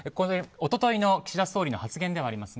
一昨日の岸田総理の発言です。